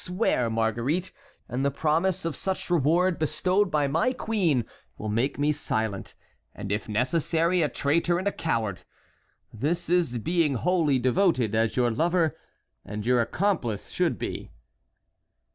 Swear, Marguerite, and the promise of such reward bestowed by my queen will make me silent, and, if necessary, a traitor and a coward; this is being wholly devoted, as your lover and your accomplice should be."